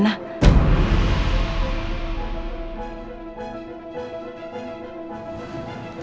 udah kenalin misel juga kerenah